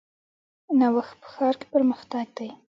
نوښت په کار کې پرمختګ دی